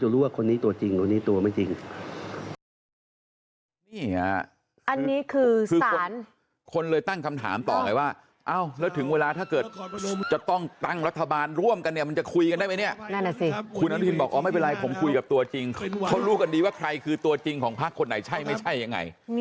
เราจะรู้ว่าคนนี้ตัวจริงคนนี้ตัวไม่จริง